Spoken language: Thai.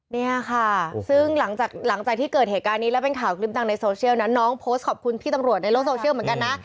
เนี่ยค่ะซึ่งหลังจากที่เกิดเหตุการณ์นี้แล้วเป็นข่าวคลิปดังในโซเชียลนั้นน้องโพสต์ขอบคุณพี่ตำรวจในโลกโซเชียลเหมือนกันนะ